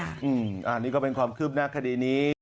อันนี้ก็เป็นความคืบหน้าคดีนี้